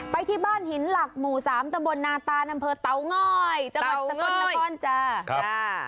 ไปที่บ้านหินหลักหมู่๓ตมนาตาดำเภอเตางอยจังหวัดสกลนคร